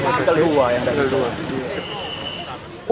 kita lewa yang dari luar